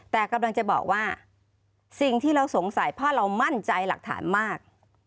แต่กำลังจะบอกว่าสิ่งที่เราสงสัยเพราะเรามั่นใจหลักฐานมาก